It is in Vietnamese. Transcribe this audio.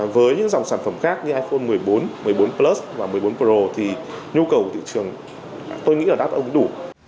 với những dòng sản phẩm khác như iphone một mươi bốn một mươi bốn plus và một mươi bốn pro thì nhu cầu của thị trường tôi nghĩ là đáp ứng đủ